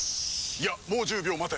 いやもう１０秒待て。